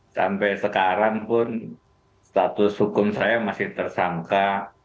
sampai sekarang pun status hukum saya masih tersangka